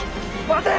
待て！